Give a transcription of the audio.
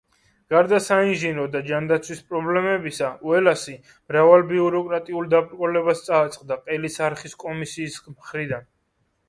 გარდა საინჟინრო და ჯანდაცვის პრობლემებისა, უელასი მრავალ ბიუროკრატიულ დაბრკოლებას წააწყდა ყელის არხის კომისიის მხრიდან.